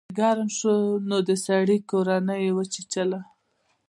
مار چې ګرم شو نو د سړي کورنۍ یې وچیچله.